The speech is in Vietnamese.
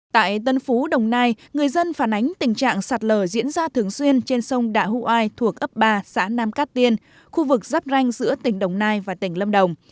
tại tân phú đồng nai người dân phản ánh tình trạng sạt lở diễn ra thường xuyên trên sông đạ hụ ai thuộc ấp ba xã nam cát tiên khu vực rắp ranh giữa tỉnh đồng nai và tỉnh lâm đồng